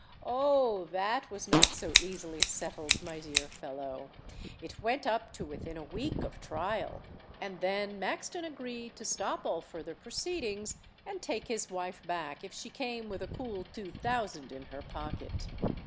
"Oh! that was not so easily settled, my dear fellow. It went up to within a week of trial; and then Maxton agreed to stop all further proceedings and take his wife back if she came with a cool two thousand in her pocket.